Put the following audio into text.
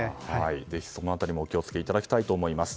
ぜひその辺りもお気をつけていただきたいと思います。